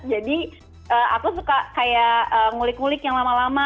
jadi aku suka kayak ngulik ngulik yang lama lama